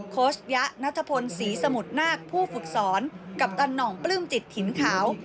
โคชยะนัทพลศรีสมุทรนาคผู้ฝึกสอนกัปตันห่องปลื้มจิตถิ่นขาว